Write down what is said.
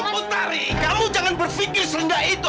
tunggu otari kamu jangan berpikir serendah itu